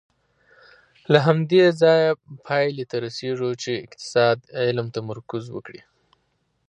له همدې ځایه پایلې ته رسېږو چې اقتصاد علم تمرکز وکړي.